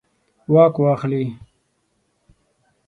واک واخلي.